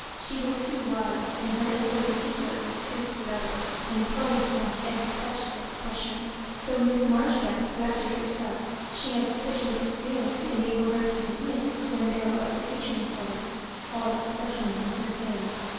She was too wise, and her interlocutor was too clever, and prone to catch every touch of expression, though Miss Marjoribanks flattered herself she had sufficient experience to enable her to dismiss, when there was occasion for it, all expression from her face.